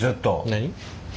何？